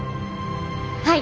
はい！